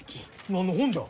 何の本じゃ？